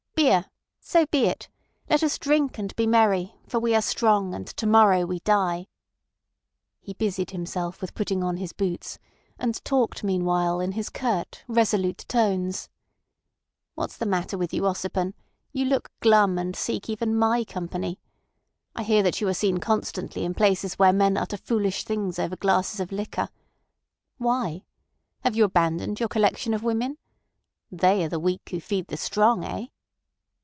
"Beer! So be it! Let us drink and be merry, for we are strong, and to morrow we die." He busied himself with putting on his boots, and talked meanwhile in his curt, resolute tones. "What's the matter with you, Ossipon? You look glum and seek even my company. I hear that you are seen constantly in places where men utter foolish things over glasses of liquor. Why? Have you abandoned your collection of women? They are the weak who feed the strong—eh?"